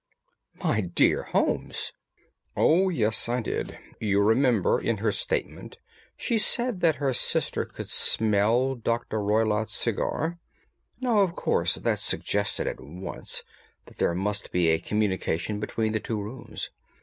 "My dear Holmes!" "Oh, yes, I did. You remember in her statement she said that her sister could smell Dr. Roylott's cigar. Now, of course that suggested at once that there must be a communication between the two rooms.